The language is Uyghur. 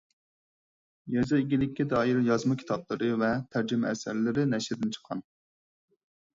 يېزا ئىگىلىككە دائىر يازما كىتابلىرى ۋە تەرجىمە ئەسەرلىرى نەشردىن چىققان.